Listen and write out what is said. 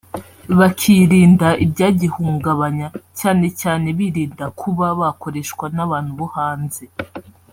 bakirinda ibyagihungabanya cyane cyane birinda kuba bakoreshwa n’abantu bo hanze